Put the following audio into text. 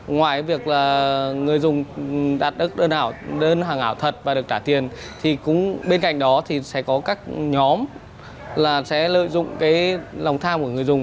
ngoài việc là người dùng đặt đơn ảo đơn hàng ảo thật và được trả tiền thì cũng bên cạnh đó thì sẽ có các nhóm là sẽ lợi dụng cái lòng tham của người dùng